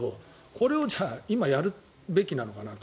これを、じゃあ今やるべきなのかなと。